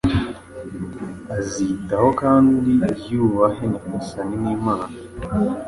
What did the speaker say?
Azitaho kandi yubahenyagasani imana